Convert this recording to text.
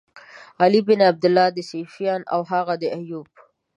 علی بن عبدالله، د سُفیان او هغه د ایوب.